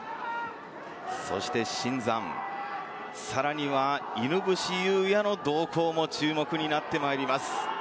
そして新山、さらには犬伏湧也の動向も注目になってまいります。